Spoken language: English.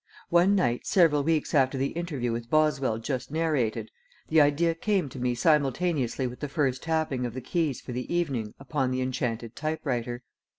One night, several weeks after the interview with Boswell just narrated, the idea came to me simultaneously with the first tapping of the keys for the evening upon the Enchanted Type Writer.